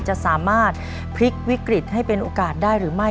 จะสามารถพลิกวิกฤตให้เป็นโอกาสได้หรือไม่